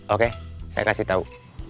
oke saya kasih tahu